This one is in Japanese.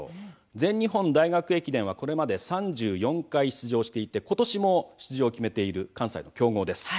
全日本大学駅伝は、これまで３４回出場していて今年も出場を決めている関西の強豪です。